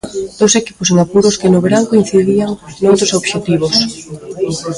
Dous equipos en apuros que no verán coincidían noutros obxectivos.